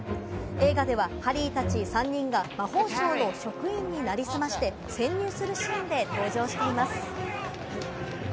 映画ではハリーたち３人が魔法省の職員になりすまして潜入するシーンで登場しています。